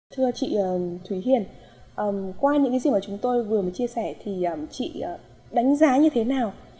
thưa chị thúy hiền qua những cái gì mà chúng tôi vừa mới chia sẻ thì chị đánh giá như thế nào